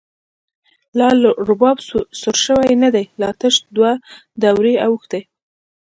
لا رباب سور شوۍ ندۍ، لا تش دوه دوره اوښتۍ